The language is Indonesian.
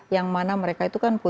yang mana mereka itu kan